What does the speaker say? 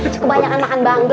cukup banyak makan banggle